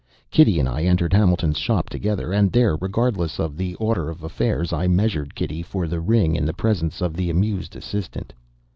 Kitty and I entered Hamilton's shop together, and there, regardless of the order of affairs, I measured Kitty for the ring in the presence of the amused assistant.